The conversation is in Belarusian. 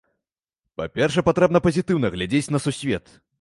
Па-першае патрэбна пазітыўна глядзець на сусвет.